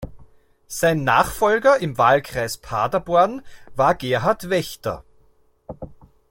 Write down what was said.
Sein Nachfolger im Wahlkreis Paderborn war Gerhard Wächter.